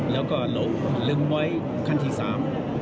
และเลวลึกไว้คั้นที่สาม